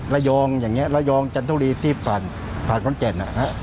ระยองอย่างนี้ระยองจันทุรีที่ผ่านกรุงเทพฯ